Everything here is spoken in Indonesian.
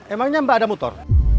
emangnya mbak ada motor